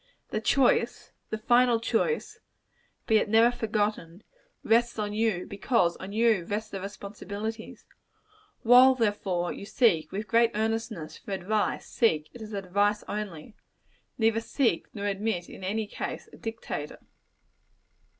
The choice the final choice be it never forgotten, rests on you: because on you rests the responsibilities. While, therefore, you seek, with great earnestness, for advice, seek it as advice only. Neither seek, nor admit, in any case, a dictator.